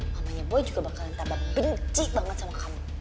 mamanya boy juga bakalan tabat benci banget sama kamu